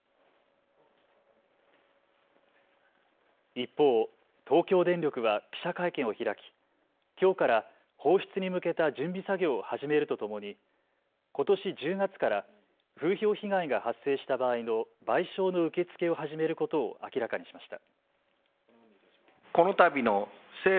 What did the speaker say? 一方、東京電力は記者会見を開ききょうから放出に向けた準備作業を始めるとともにことし１０月から風評被害が発生した場合の賠償の受け付けを始めることを明らかにしました。